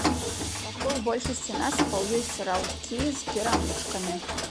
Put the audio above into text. Вакол большасці насыпаў ёсць раўкі з перамычкамі.